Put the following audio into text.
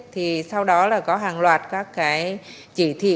thì sau đó là có hàng loạt các cái chỉ thị